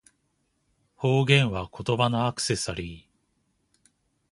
方言は、言葉のアクセサリー